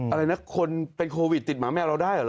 อะไรนะคนเป็นโควิดติดหมาแมวเราได้เหรอ